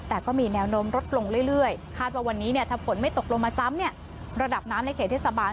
แต่ก็มีแนวโน้มลดลงเรื่อยคาดว่าวันนี้เนี่ยถ้าฝนไม่ตกลงมาซ้ำเนี่ยระดับน้ำในเขตเทศบาล